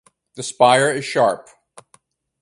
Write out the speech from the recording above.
The spire is sharp.